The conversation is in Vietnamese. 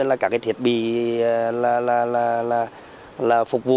là cả cái thiết bị là phục vụ